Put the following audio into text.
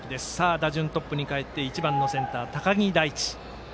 打順、トップにかえって１番のセンター高木大地。